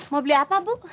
mau beli apa bu